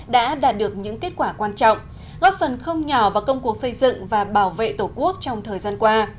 đã đạt được những kết quả quan trọng góp phần không nhỏ vào công cuộc xây dựng và bảo vệ tổ quốc trong thời gian qua